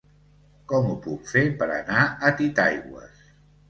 Com ho puc fer per anar a Titaigües?